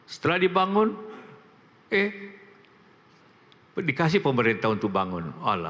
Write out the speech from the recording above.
setelah dibangun eh dikasih pemerintah untuk bangun